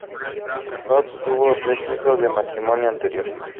Cocks tuvo tres hijos de un matrimonio anterior.